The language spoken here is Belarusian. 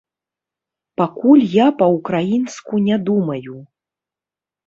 Пакуль я па-ўкраінску не думаю.